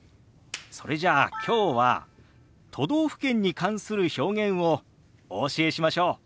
それじゃあきょうは都道府県に関する表現をお教えしましょう。